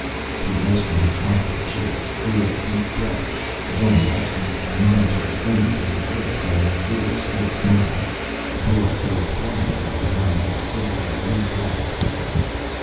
He rose from his comfortable chair, drew a deep breath, again touched the admonitory finger to his lips and withdrew, still smiling. The door closed quietly behind his stately blue clad figure.